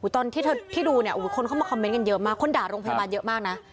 ตอนที่เธอที่ดูเนี่ยคนเข้ามาคอมเมนต์กันเยอะมากคนด่าโรงพยาบาลเยอะมากนะ